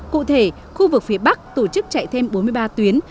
cụ thể khu vực phía bắc tổ chức chạy thêm bốn mươi ba tuyến